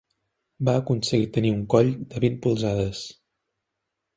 Va aconseguir tenir un coll de vint polzades.